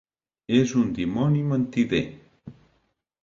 És un dimoni mentider!